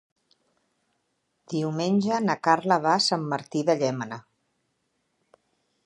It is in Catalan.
Diumenge na Carla va a Sant Martí de Llémena.